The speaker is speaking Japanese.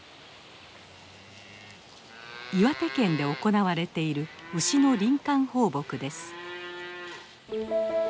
岩手県で行われている牛の林間放牧です。